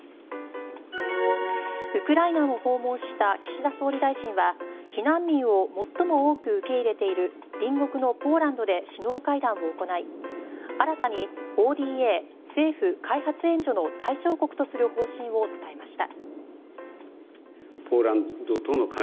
ウクライナを訪問した岸田総理大臣は避難民を最も多く受け入れている隣国のポーランドで首脳会談を行い新たにＯＤＡ・政府開発援助の対象国とする方針を伝えました。